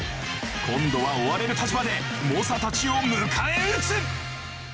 今度は追われる立場で猛者たちを迎えうつ！